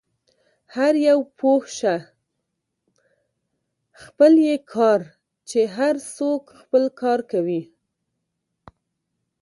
هر یو پوه شه، خپل يې کار، چې هر څوک خپل کار کوي.